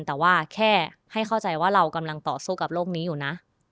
แต่ว่าแค่ให้เข้าใจว่าเรากำลังต่อสู้กับโรคนี้อยู่นะ